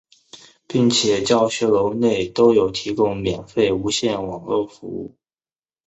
并且教学楼内都有提供免费无线网络服务。